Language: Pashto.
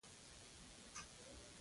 دا د اوسنو په وینا سبجکټیف بدلون دی.